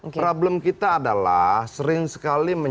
problem kita adalah sering sekali menjelaskan